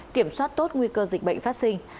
kiểm soát tốt nguy cơ dịch bệnh phát sinh